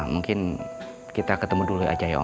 mungkin kita ketemu dulu aja ya